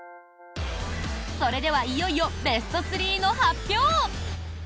それではいよいよベスト３の発表！